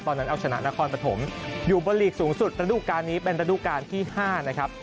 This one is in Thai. ตอนนั้นเอาชนะนครปฐมอยู่บนลีกสูงสุดระดูกการนี้เป็นระดูการที่๕นะครับ